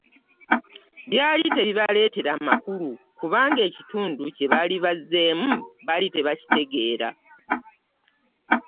Byali tebibaleetera makulu kubanga ekitundu kye baali bazzeemu baali tebakitegeera.